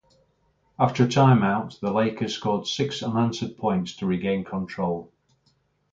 After a timeout, the Lakers scored six unanswered points to regain control.